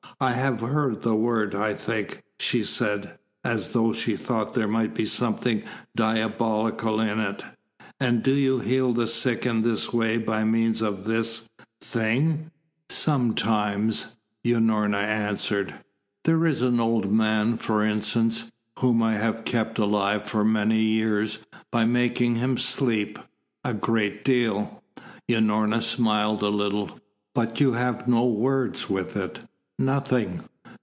"I have heard the word, I think," she said, as though she thought there might be something diabolical in it. "And do you heal the sick in this way by means of this thing?" "Sometimes," Unorna answered. "There is an old man, for instance, whom I have kept alive for many years by making him sleep a great deal." Unorna smiled a little. "But you have no words with it? Nothing?"